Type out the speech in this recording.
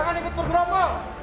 jangan ikut bergerombol